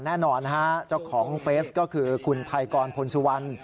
แน่นอนฮะเจ้าของเฟสก็คือคุณไทยกรพลสุวรรณ